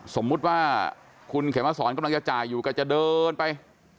สมมุติว่าคุณเขมสอนกำลังจะจ่ายอยู่ก็จะเดินไป